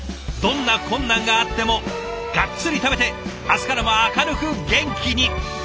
どんな困難があってもがっつり食べて明日からも明るく元気に！